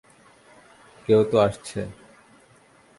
কেউ তো আসছে?